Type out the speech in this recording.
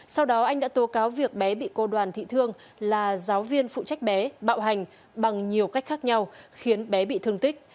sau đó anh đã tố cáo việc bé bị cô đoàn thị thương là giáo viên phụ trách bé bạo hành bằng nhiều cách khác nhau khiến bé bị thương tích